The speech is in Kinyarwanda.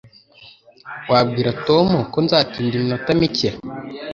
Wabwira Tom ko nzatinda iminota mike?